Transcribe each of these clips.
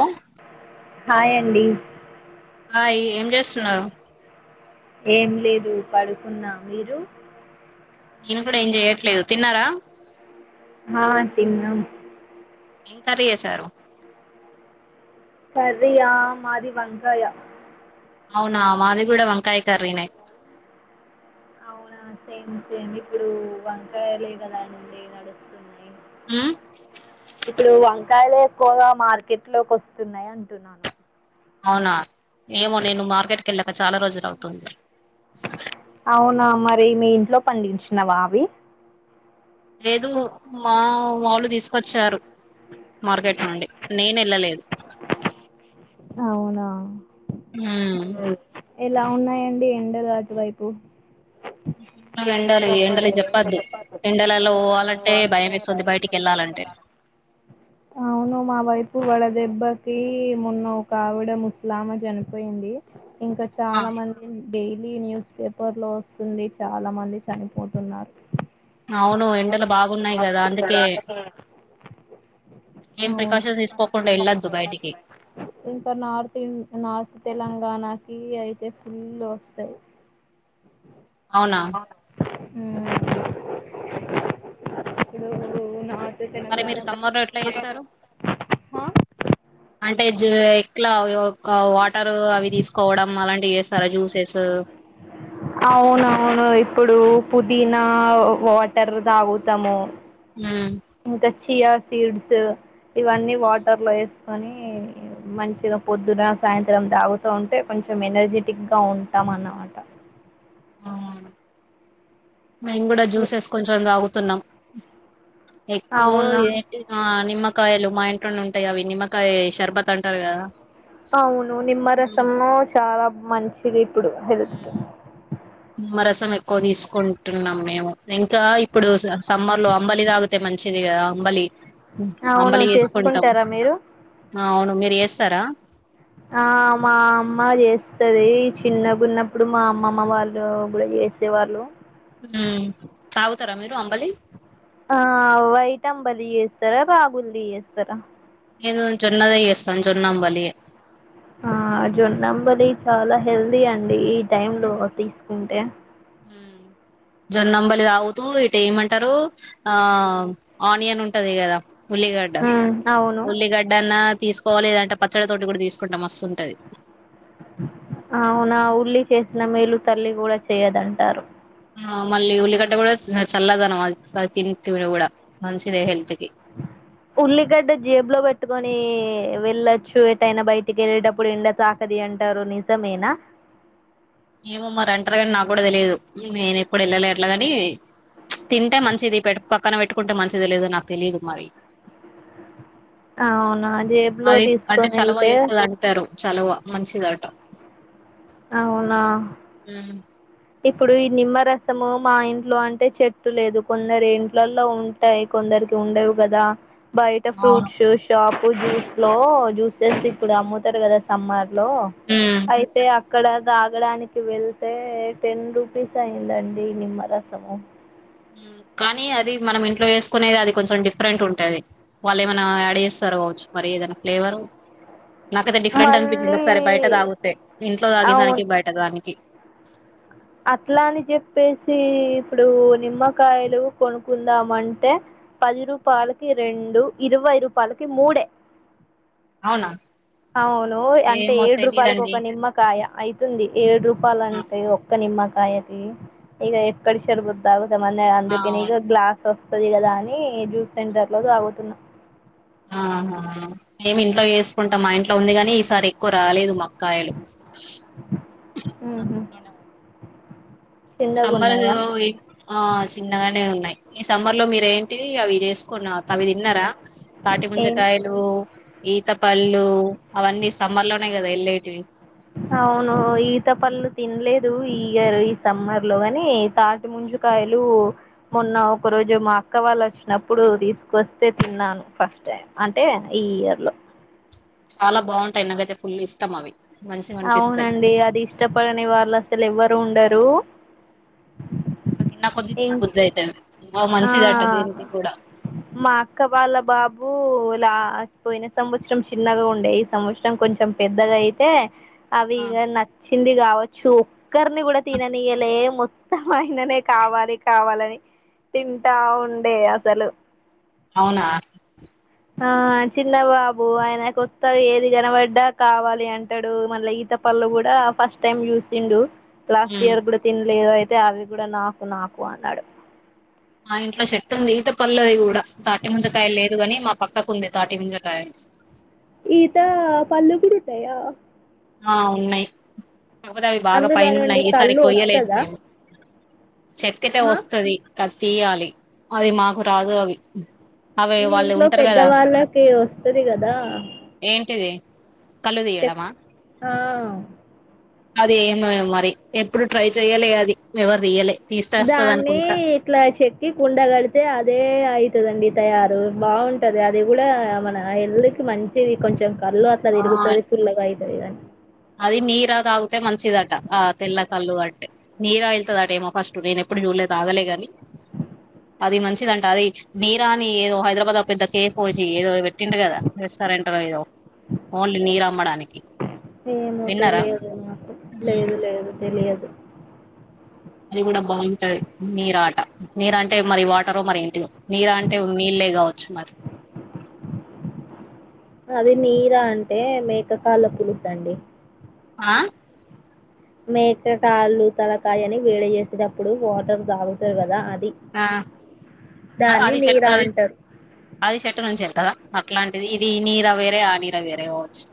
అ hi అండి hi ఏం చేస్తున్నారు ఏం లేదు పడుకున్నా మీరు నేను కూడా ఏం చెయట్లేదు తిన్నారా ఆ తిన్నాం ఎంకర్రీ చేసారు కర్రీయ మాది వంకాయ అవునా మాది కూడా వంకాయ కర్రినే అవునా సేమ్ సేమ్ ఇప్పుడు వంకాయలే కదా అండి నడుస్తున్నా ఉమ్ ఇప్పుడు వంకాయ్లే ఎక్కువగా మార్కెట్లోకి వస్తున్నాయి అంటున్నాను అవునా ఏమో నేను మార్కెట్కిెళ్ళ క చాలా రోజులు అవుతుంది ఇవి మీ ఇంట్లో పండించినవా అవి లేదు మా మాళ్ళు తీస్కొచ్చారు మార్కెట్ నుండి నేను ఏళ్ళలేదు అవునా ఆ ఎలా ఉన్నాయండి యండల్లాటువైపు ఎండలి ఎండలి చెప్పదు ఎండలలో పోవాలంటే భయమేస్తుంది బయటికి వెళ్లాలంటే అవును మా ఇ వడ దెబ్బకి మొన్న ఒక ఆవిడ ముస్లామా చనిపోయింది ఇంకా ఆ చాలా మంది డైలీ న్యూస్ పేపర్లో వస్తుంది చాలా మంది చనిపోతున్నారు అవును ఎండలు బాగున్నాయి కదా అందుకే ఏం అవునండి. ప్రికాషన్స్ తీసుకోకుండా ఎళ్ళొద్దు బయటికి ఇంక నార్త్ ఇన్ నార్త్ తెలగ్ ణకి అయితే ఫుల్ వస్తాయి అవునా హ్మ్ ఇప్పుడు నార్త్ మరి తెలంగాణ మీరు సమ్మర్లో ఎట్లా చేస్తారు హ అంటే జ్ ఎట్లా ఒక వాటర్ అవి తీసుకోవడం అలాంటివి చే అవునవును ఇప్పుడు పుదీనా వాటర్ తాగుతాము ఉమ్ ఇంకా చయా సీడ్స్ ఇవన్నీ వాటర్లో ఎ కని మంచిగా పొద్దున సాయంత్రం తాగుతూ ఉంటే కొంచెం ఎనర్జెటిక్గా ఉంటాం మ్ అనమాట ఔను మేము కూడా జ్యూసెస్ కొంచెం తగుతున్నాం ఎక్కువ్ అవునా ఏంటిది న నిమ్మకాయలు మ ఇంట్లోన్ ఉంటాయి అవి నిమ్మకాయ షర్బత్ అంటారు కదా అవును నిమ్మరసము చాలా మంచిది ఇప్పుడు హెల్త్కి హ్మ్ నిమ్మరసం ఎక్కువ తీసుకుంటు న్నాం మేము ఇంకా ఇప్పుడు సమ్మర్లో అంబలి తాగితే మంచిది కదా అంబలి అవును అంబలి చేసుకుంటాం చేసుకుంటారా మీరు అవును మీరు చేస్తారా ఆ మా అమ్మ చేస్తది చిన్నగున్నప్పుడు మా అమ్మమ్మ వాళ్ళు కూడా ఎసే వాళ్ళు ఉ తాగుతారా మీరు అంబలి ఆ వైట అంబలియేస్తారా బాగులు ఏస్తారా నేను జొన్నదే చేస్తాను జొన్నంబలి ఆ జొన్నంబలి చాలా హెల్దీ అండి టైంలో తీసుకుంటే హూ జొన్నంబలి తాగుతూ ఇటు ఏమంటారు ఆ ఆనియన్ ఉంటది కదా ఉల్లిగడ్డ ఉమ్ అవును ఉల్లిగడ్డ తీసుకోవాలిదంటే పచ్చడితోటి కూడా తీసుకుంటా మస్తుంటది అవునా ఉల్లి చేసిన మేలు తల్లి కూడా చెయదంటారు ఆ మళ్ళీ ఉల్లిగడ్డ కూడా చల్లదనం అది తింట కూడా మంచిదే హెల్త్ కి ఉల్లిగడ్డ జేబులో పెట్టుకని వెళ్ళొచ్చు ఎటైనా బయటికి వెళ్ళేటప్పుడు ఎండ తాకది అంటారు నిజమేనా ఏమో మరి అంటరు కాని నా కూడా తెలియదు నేను ఎప్పుడు వెళ్ళలే అట్లగాని తింటే మంచిది పె పక్కన పెట్టుకుంటే మంచిది లేదో నాకు తెలియదు మరి అవునా జేబులో తీసుకొని వెళ్తే చలువ మంచిది అట అవునా ఇప్పుడు ఈ నిమ్మరస్ ము మా ఇంట్లో అంటే చెట్టు లేదు కొందరు ఇంట్లలో ఉంటాయి కొందరికి ఉండవు కదా బయట ఫ్రూట్స్ షాప్ జ్యూస్ లో జ్యూసెస్ ఇప్పుడు అమ్ముతారు కదా సమ్మార్ లో అవును అయితే అక్కడ దాగడానికి వెళ్తే టెన్ రూపీస్ అయ్యిందండి నిమ్మ రసము కానీ అది మనం ఇంట్లో చేసుకునేది అది కొంచెం డిఫరెంట్ ఉంటుది వాళ్ళు ఏమైనా యాడ్ చేస్తారు కాచ్చు మరి ఏదైనా ఫ్లేవరు నాకైతే డిఫరెంట్ అనిపించింది మళ్ళీ ఒకసారి బయట తాగితే ఇంట్లో తాగిన అవును దానికి బయట దానికి అట్లా అని చెప్పేసి ఇప్పుడు నిమ్మకాయలు కొనుకుందాం అంటే పది రూపాయలకి రెండు ఇరవై రూపాయలకి మూడే అవునా అవును అంటే ఏమో ఏడు రూపాయలకి తెలీదండి ఒక నిమ్మకాయ అయితుంది ఏడు రూపాయలు అంటే నిమ్మకాయకి ఇగ ఎక్కడ శరు బుద్దద మ ఆహా అందుకని గ్లాస్ వస్తది కదా అని జ్యూస్ సెంటర్ లో తాగుతున్నా ఆహా మేమి ఇంట్లో చేసుకుంటాం మా ఇంట్లో ఉంది గాని ఈసారి ఎక్కువ రాలేదు మాకు కాయలు ఉహు నాకుంట్లోనే ఉం సమ్మర్ చిన్నగున్నాయా ఆ సిన్నగానే ఉన్నాయ్ ఈ సమ్మర్ లో మీరు ఏంటి అవి చేస్ కొన్నా తవిది ఇన్నార తాటి ఏం ముంజకాయలు ఈత పళ్ళు అవన్నీ సమ్మర్ లోనే కదా వెళ్ళేటివి అవును ఈత పళ్లు తినలేదు ఈ ఇయరు ఈ సమ్మర్ లో కాని తాటి ముందు జుకాయలు మొన్న ఒక రోజు మా అక్క వాళ్ళు వచ్చినప్పుడు తీసుకొస్తే తిన్నాను ఫస్ట్ టైం అంటే ఈ ఇయర్ లో చాలా బాగుంటాయి నాకైతే ఫుల్ ఇష్టం అవి మంచిగా అనిపిస్తాయి అవునండి అది ఇష్టపడని వాళ్ళు అసలు ఎవరు ఉండరు తిన్న కొద్ది తిన ఇం బుద్ది అయితాయి బా ఆ మంచిది అట తింటి కూడా మా అక్క వాళ్ళ బాబు ఇలా పోయిన సంవత్సరం చిన్నగా ఉండే ఈ సంవత్సరం కొంచెం పెద్దగా అయితే అవి ఆ ఇగ నచ్చింది కావచ్చు ఒక్కరిని కూడా ఆ, తిననీయలే మొత్తం అయిననే కావాలి కావాలని అని తింటా ఉండే అసలు అవునా ఆ చిన్న బాబు ఆయన కొస్తా ఏది కనపడ్డా కావాలి అంటాడు మళ్ళీ ఈత ప కల్లో కూడా ఫస్ట్ టైం చూసిండు లాస్ట్ ఉమ్. ఇయర్ కూడా తినలేదు అయితే అవి కూడా నాకు నాకు అన్నాడు. మా ఇంట్లో చెట్టు ఉంది ఈత పల్లది కూడా తాటి ముంజకాయ లేదు కాని మా పక్కకు ఉంది తాటి ముంజకాయలు ఈత పళ్లుు కూడా ఉంటాయా? ఆ ఉన్నాయి కాపోతే అవి బాగా అందులో పైన నుండి ఉన్నాయి ఈసారి కళ్ళు కొయ్యలేదు వస్తదా మేము. చెక్కతే ఆ వస్తుది క తీయాలి అది మాకు రాదు అవి అవి మీ వాళ్ళు ఇంట్లో ఉంటారు కదా పెద్దవాళ్ళకి వస్తది కదా ఏంటిది కళ్ళు చెక్ తీయడమా ఆ అది ఏమ మరి ఎప్పుడు ట్రై చెయ్యాలి అది ఎవరు తీయలె దాన్ని ఇట్లా చెక్కి కుండగడితే అదే అఐ వస్తదండి తయారు బావుంటది అది కూడా మన హెల్త్ కి మంచిది కొంచెం కల్లు అట్ల ఆ తిరుగుతది ఫుల్గాయిద్ద లేదని అది నీరా తాగితే మంచిదట ఆ తెల్ల కళ్ళు అంటే నీరా వెల్తుదట ఏమో ఫస్ట్ నేను ప్పుడు చూలే తాగలే గాని అది మంచిదంట అది నీరాని ఏదో హైదరాబాద్ లో పెద్ద కేఫ వచ్చి ఏదో పెట్టిండ కదా రీష్టరెంట్ర్ ఎదో ఓన్లీ నీరుమ్మడానికి ఏమో తెలియదు నాకు లేదు లేదు తెలియదు అది కూడా బావుంటది నీరా అట నీరు అంటే మరి వాటర్ మరి ఇంటిదో నీరా అంటే ఉ నీళ్లే కావచ్చు మరి అది నీరా అంటే మేకకళ కులుద్దండి ఆ మేకకాళ్ళు తలకాయ అని వేడ చేసేటప్పుడు వాటర్ తాగుతారు కదా అది ఆ దాన్ని అది చెట్ నీరా అది అంటారు అది చెట్టు నుంచి వెలతదా అట్లాంటిది ఇది నీర వేరే, ఆ నీర వేరే కావచ్చు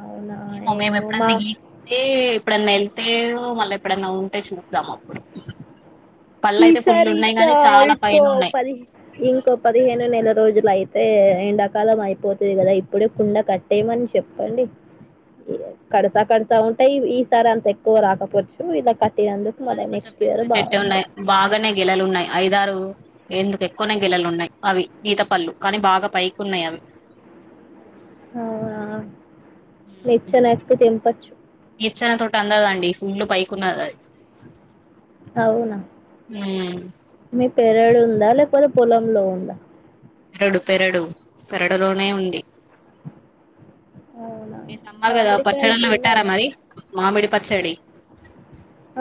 అవునా ఏమో మేము మా ఎప్పుడన్నా గీతే ఇప్పుడన్నా ఏ తెడో మళ్ళీ ఎప్పుడైనా ఉంటే చూద్దాం అప్పుడు పళ్ళు అయితే ఫుల్ ఈసారి ఉన్నాయి ఇంక గానీ చాలా ఐకో పైన ఉన్నాయి పదిహ ఇంకో పదిహేను నెల రోజుల యి తే ఎండాకాలం అయిపోతుది కదా ఇప్పుడే కుండ కట్టేయమని చెప్పండి. కడతా కడతా ఉంటాయి ఈ సారి అంత ఎక్కువ రాకపోవచ్చు ఇలా తే అందుకు అది మరో కొంచెం నెక్స్ట్ పెద్ద ఇయర్ బాగా చెట్టే ఉన్నాయి వస్తాయి. బాగానే గేలలు ఉన్నాయి ఐదారు ఎందుకు ఎక్కువనే గిలెలు ఉన్నాయి అవి ఈత పళ్లు కానీ బాగా పై కున్నాయం అవునా నిచ్చనఎక్కు తెంపచ్చు నిచన తోటి అందదండి ఫుల్ పైకున్నది అది అవునా ఉమ్ మీ పెరడు ఉందా, లేకపోతే పొలంలో ఉందా? పెరడు పెరడు పెరడులోనే ఉంది. అవునా ఈ సమ్మర్ గదా మామిడికాయలు పచ్చడన్న పెట్టారా తిన్నారా మరి మామిడి పచ్చడి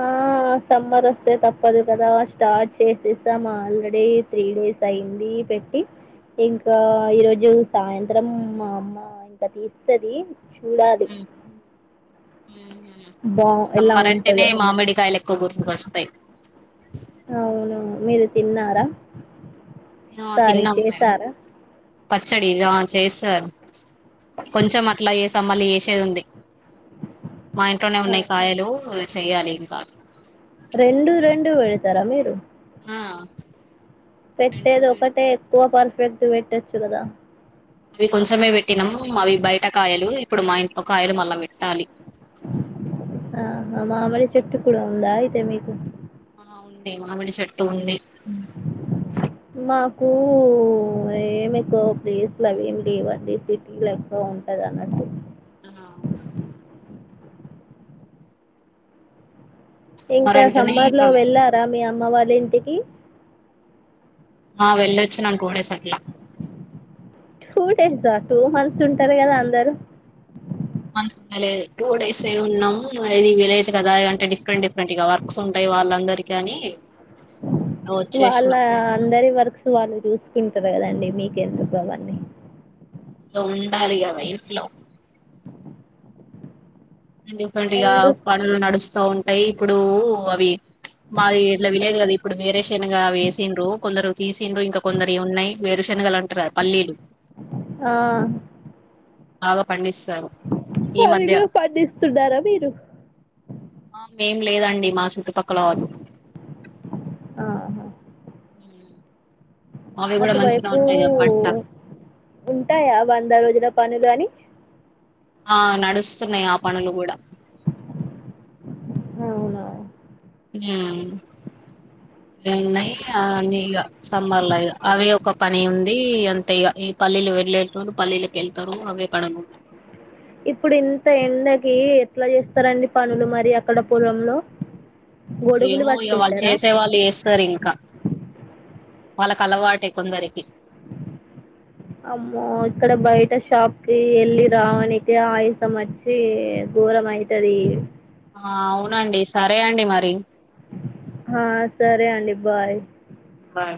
ఆ ఆ సమ్మర్ వస్తే తప్పదు కదా స్టార్ట్ చేసేసాం ఆల్రెడీ త్రీ డేస్ అయింది. పెట్టి ఇంకా ఈరోజు సాయంత్రం మా అమ్మ ఇంకా తీస్తది. చూడాలి. ఉమ్ ఉహు బా ఎలా సమ్మర్ అంటేనే ఉంటుందో మామిడికాయల్ ఎక్కో గుర్తుకొస్తాయి. అవును మీరు తిన్నారా? యా సారీ తిన్నం మేం చేశారా పచ్చడి గా చేసాం కొంచం అట్ల ఏసాం మళ్ళీ ఏసేద్ ఉంది. మా ఇంట్లోనే ఉన్నయి అవును కాయలు చెయ్యాలి ఇంకా రెండు రెండు వెడ్తరా మీరు ఆ రెండు పెట్టేది రెండు ఒకటే ఎక్కువ పర్ఫెక్ట్ పెట్టచ్చు గదా అవి కొంచమే పెట్టినం అవి బయట కాయలు ఇప్పుడు మా ఇంట్లో కాయలు మళ్ళ పెట్టాలి. ఆహ మామిడి చెట్టు కూడా ఉందా అయితే మీకు ఆ ఉంది మామిడి చెట్టు ఉంది. మాకూ ఏం ఎక్కువ ప్లేస్లవి ఏం లేవండి సిటీల ఎక్కువ ఉంటదన్నట్టు ఆ సమ్మర్ ఇంకా అంటేనే ఇక సమ్మర్లో అవి వెళ్ళారా మీ అమ్మ వాళ్ళ ఇంటికి ఆ వెళ్ళొచ్చినం టూ డేస్ అట్ల టూ డేసా టూ మంత్స్ ఉంటరు కదా అందరు టూ మంత్స్ ఉండలేదు టూ డేసే ఉన్నం. ఇది విలేజ్ కదా అంటే డిఫరెంట్ డిఫరెంట్ ఇగ వర్క్స్ ఉంటయి. ఇగ వాళ్ళందరికీ అనీ వాళ్ళ అందరి వర్క్స్ వాళ్ళు చూస్కుంటర్ కదండి మీ కెందుకు అవన్నీ ఇగ ఉండాలి గదా ఇంట్లో డిఫరెంట్గా ఎందుకు పనులు నడుస్తా ఉంటయి ఇప్పుడూ అవి మాది ఇట్ల విలేజ్ కదా ఇప్పుడు వేరే శనగ అవి ఏసిండ్రు కొందరు తీసింన్రు ఇంకా కొందరి ఉన్నయి వేరు శ నగలంటార్గ పల్లీలు ఆ బాగా పండిస్ అవి గుడ పండిస్తున్నారా మీరు ఆ మేం లేదండి మా చుట్టుపక్కల వాళ్ళు. ఆ హా హ్ అటు వైపూ ఉంటాయా వంద రోజుల పనులు అని ఆ నడుస్తున్నయి ఆ పనులు కూడా అవునా మ్ వెన్నై ఆ అన్నీ ఇగ సమ్మర్ల ఇగ అవి ఒక పని ఉంది అంటే ఇగ ఈ పల్లీలు వెళ్లేటోళ్ళు పల్లీలకెళ్తరు అవి పడకుండ ఇప్పుడు ఇంత ఎండకి ఎట్లా చేస్తరండి పనులు మరి అక్కడ పొలంలో గొడుగులు ఏమో ఇగ వాళ్ళు పట్టుకుంటారా చేసే వాళ్ళు చేస్తరింక వాళ్ళక్ అలవాటే కొందరికి అమ్మో ఇక్కడ బయట షాప్కి ఎళ్ళి రావనికే ఆయసం అచ్చి ఘోరమైతదీ ఆ అవునండి సరే అండి మరి ఆ సరే అండి బాయ్. బాయ్